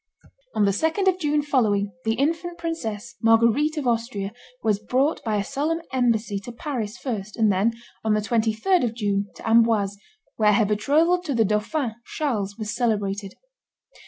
On the 2d of June following, the infant princess, Marguerite of Austria, was brought by a solemn embassy to Paris first, and then, on the 23d of June, to Amboise, where her betrothal to the dauphin, Charles, was celebrated.